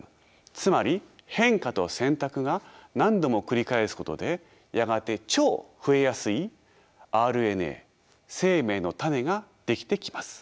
つまり変化と選択が何度も繰り返すことでやがて超増えやすいＲＮＡ生命の種が出来てきます。